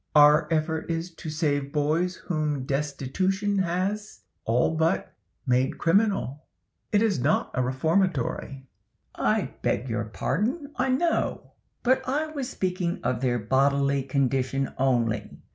Our effort is to save boys whom destitution has all but made criminal. It is not a reformatory." "I beg your pardon, I know. But I was speaking of their bodily condition only.